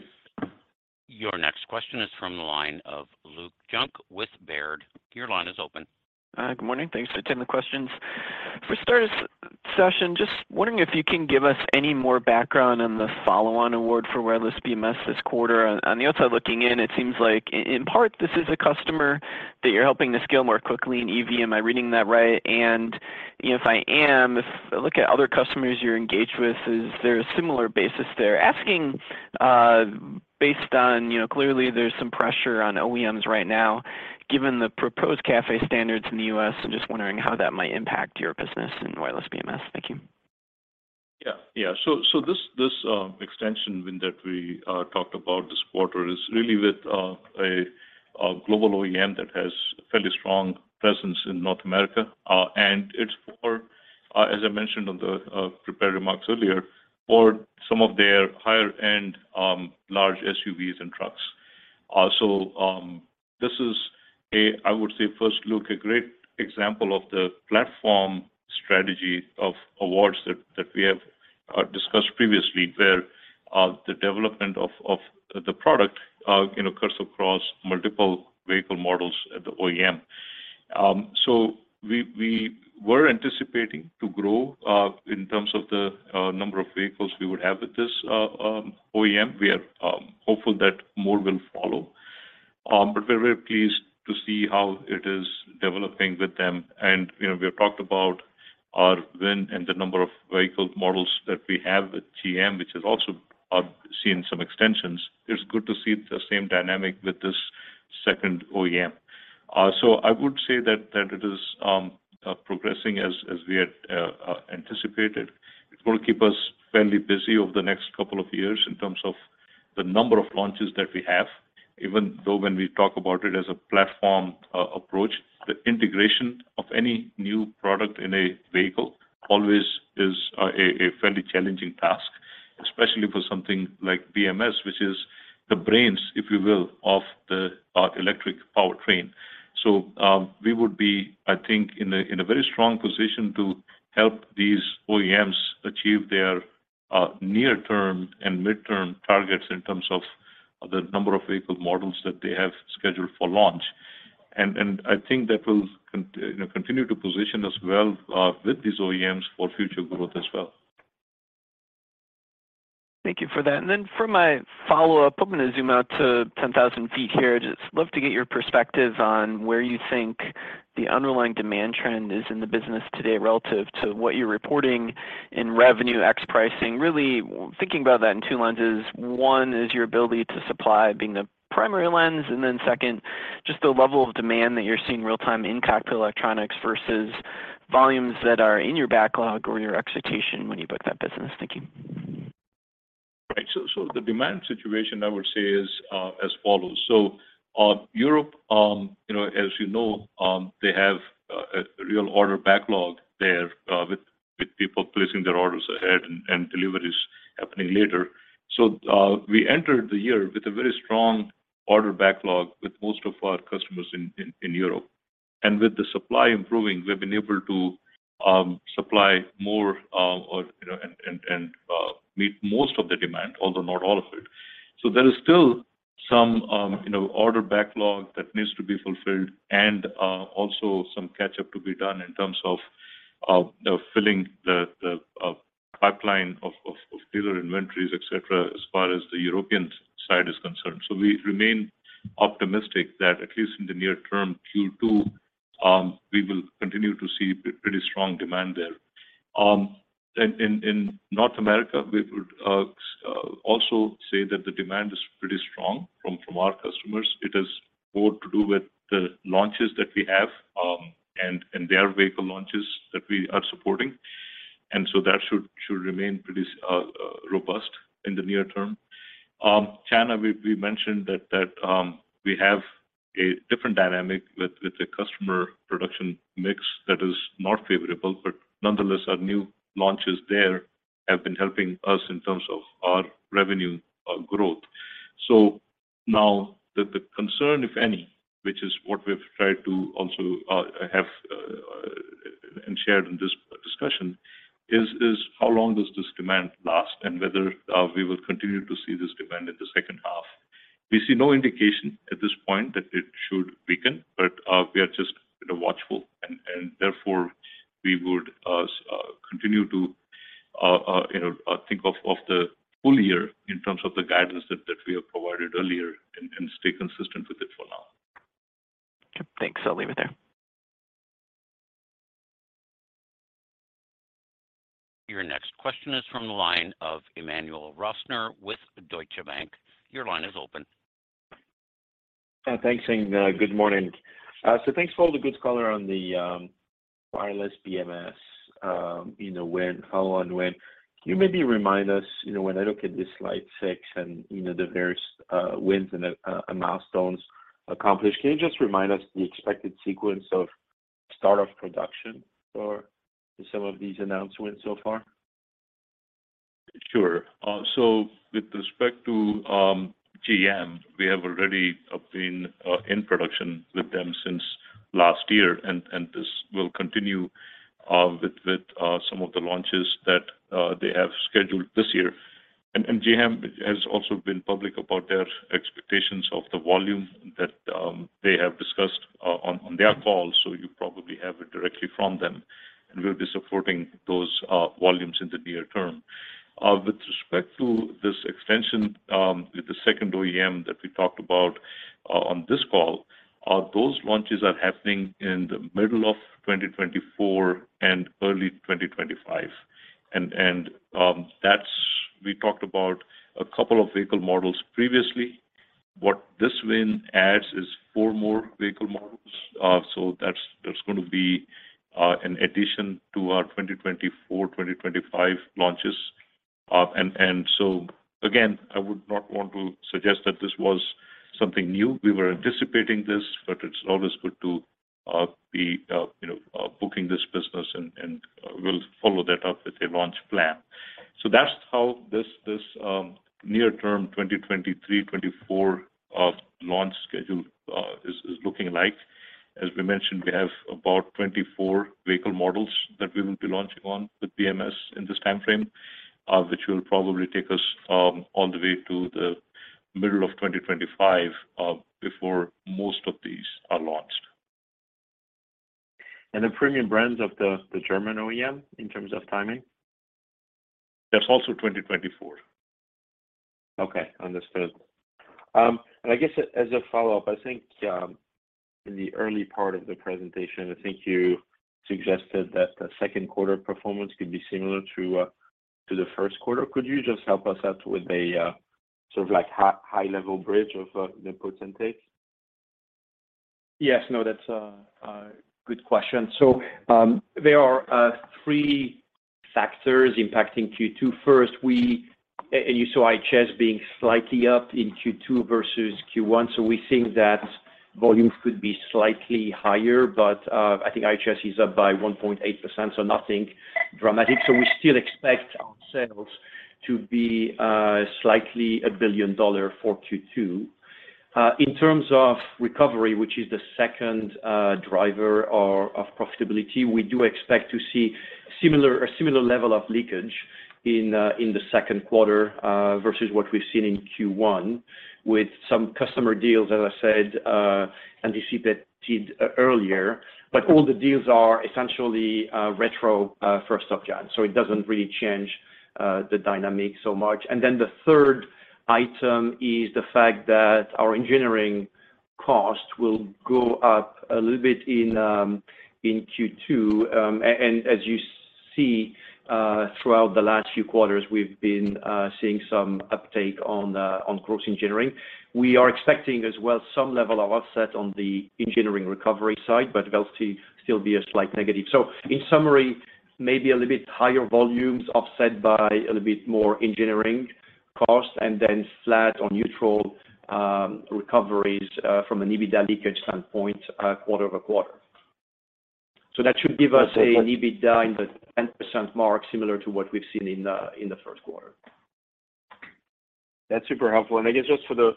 Your next question is from the line of Luke Junk with Baird. Your line is open. Good morning. Thanks for taking the questions. For starters, Sachin, just wondering if you can give us any more background on the follow-on award for wireless BMS this quarter. On the outside looking in, it seems like in part this is a customer that you're helping to scale more quickly in EV. Am I reading that right? You know, if I am, if I look at other customers you're engaged with, is there a similar basis there? Asking based on, you know, clearly there's some pressure on OEMs right now given the proposed CAFE standards in the U.S. I'm just wondering how that might impact your business and wireless BMS. Thank you. Yeah. Yeah. So this extension win that we talked about this quarter is really with a global OEM that has a fairly strong presence in North America. And it's for as I mentioned on the prepared remarks earlier, for some of their higher-end large SUVs and trucks. Also, this is a, I would say, first Luke, a great example of the platform strategy of awards that we have discussed previously. Where the development of the product, you know, cuts across multiple vehicle models at the OEM. So we were anticipating to grow in terms of the number of vehicles we would have with this OEM. We are hopeful that more will follow. But we're very pleased to see how it is developing with them. You know, we have talked about our win and the number of vehicle models that we have with GM, which has also seen some extensions. It's good to see the same dynamic with this second OEM. I would say that it is progressing as we had anticipated. It's gonna keep us fairly busy over the next couple of years in terms of the number of launches that we have. Even though when we talk about it as a platform approach, the integration of any new product in a vehicle always is a fairly challenging task, especially for something like BMS, which is the brains, if you will, of the electric powertrain. We would be, I think, in a very strong position to help these OEMs achieve their near-term and mid-term targets in terms of the number of vehicle models that they have scheduled for launch. I think that will You know, continue to position us well with these OEMs for future growth as well. Thank you for that. For my follow-up, I'm gonna zoom out to 10,000 feet here. Just love to get your perspective on where you think the underlying demand trend is in the business today relative to what you're reporting in revenue ex pricing. Really thinking about that in two lenses. One is your ability to supply being the primary lens, and then second, just the level of demand that you're seeing real time in Cockpit Electronics versus volumes that are in your backlog or your expectation when you book that business. Thank you. Right. The demand situation I would say is as follows. Europe, you know, as you know, they have a real order backlog there with people placing their orders ahead and deliveries happening later. We entered the year with a very strong order backlog with most of our customers in Europe. With the supply improving, we've been able to supply more, or, you know, and meet most of the demand, although not all of it. There is still some, you know, order backlog that needs to be fulfilled and also some catch-up to be done in terms of, you know, filling the pipeline of dealer inventories, et cetera, as far as the European side is concerned. We remain optimistic that at least in the near term Q2, we will continue to see pretty strong demand there. In North America, we would also say that the demand is pretty strong from our customers. It has more to do with the launches that we have and their vehicle launches that we are supporting. That should remain pretty robust in the near term. China, we mentioned that we have a different dynamic with the customer production mix that is not favorable, but nonetheless our new launches there have been helping us in terms of our revenue growth. Now the concern if any, which is what we've tried to also have and shared in this discussion is how long does this demand last and whether we will continue to see this demand in the. We see no indication at this point that it should weaken, but we are just, you know, watchful and therefore we would continue to, you know, think of the full year in terms of the guidance that we have provided earlier and stay consistent with it for now. Okay, thanks. I'll leave it there. Your next question is from the line of Emmanuel Rosner with Deutsche Bank. Your line is open. Thanks and good morning. Thanks for all the good color on the wireless BMS. You know, can you maybe remind us, you know, when I look at this slide section, you know, the various wins and milestones accomplished? Can you just remind us the expected sequence of start of production for some of these announcements so far? Sure. With respect to GM, we have already been in production with them since last year and this will continue with some of the launches that they have scheduled this year. GM has also been public about their expectations of the volume that they have discussed on their call, so you probably have it directly from them, and we'll be supporting those volumes in the near term. With respect to this extension with the second OEM that we talked about on this call, those launches are happening in the middle of 2024 and early 2025. We talked about a couple of vehicle models previously. What this win adds is four more vehicle models. That's gonna be an addition to our 2024/2025 launches. Again, I would not want to suggest that this was something new. We were anticipating this, but it's always good to be, you know, booking this business and we'll follow that up with a launch plan. That's how this near term 2023/2024 launch schedule is looking like. As we mentioned, we have about 24 vehicle models that we will be launching on with BMS in this timeframe, which will probably take us all the way to the middle of 2025 before most of these are launched. The premium brands of the German OEM in terms of timing? That's also 2024. Okay. Understood. I guess as a follow-up, I think, in the early part of the presentation, I think you suggested that the Q2 performance could be similar to the Q1. Could you just help us out with a sort of like high-level bridge of the puts and takes? Yes. No, that's a good question. There are 3 factors impacting Q2. First, you saw IHS being slightly up in Q2 versus Q1, we think that volumes could be slightly higher. I think IHS is up by 1.8%, nothing dramatic. We still expect our sales to be slightly $1 billion for Q2. In terms of recovery, which is the second driver or of profitability, we do expect to see a similar level of leakage in the Q2 versus what we've seen in Q1 with some customer deals, as I said, anticipated earlier. All the deals are essentially retro for Sub10, it doesn't really change the dynamic so much. The third item is the fact that our engineering costs will go up a little bit in Q2. As you see throughout the last few quarters, we've been seeing some uptake on growth engineering. We are expecting as well some level of offset on the engineering recovery side, but it'll still be a slight negative. In summary, maybe a little bit higher volumes offset by a little bit more engineering costs and then flat or neutral recoveries from an EBITDA leakage standpoint, quarter-over-quarter. That should give us a EBITDA in the 10% mark, similar to what we've seen in the Q1. That's super helpful. I guess just for the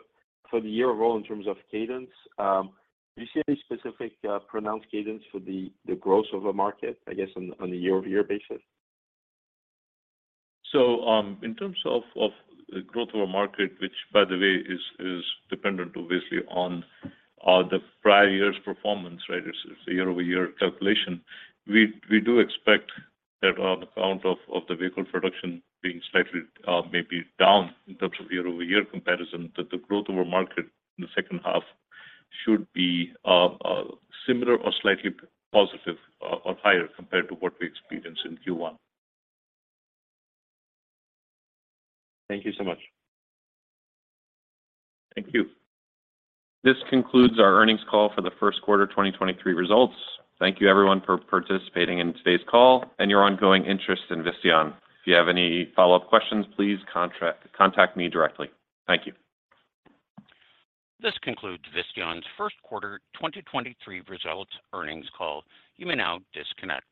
year overall in terms of cadence, do you see any specific pronounced cadence for the growth of a market, I guess on a year-over-year basis? In terms of the growth of a market, which by the way is dependent obviously on the prior year's performance, right? It's a year-over-year calculation. We do expect that the count of the vehicle production being slightly maybe down in terms of year-over-year comparison. That the growth of a market in the H2 should be similar or slightly positive or higher compared to what we experienced in Q1. Thank you so much. Thank you. This concludes our earnings call for the Q1 2023 results. Thank you everyone for participating in today's call and your ongoing interest in Visteon. If you have any follow-up questions, please contact me directly. Thank you. This concludes Visteon's Q1 2023 results earnings call. You may now disconnect.